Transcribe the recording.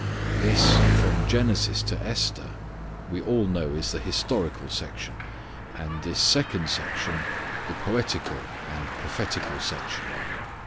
This from Genesis to Esther we all know is the historical section: and this second section the poetical and prophetical section.